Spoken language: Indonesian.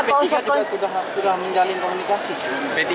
p tiga juga sudah menjalin komunikasi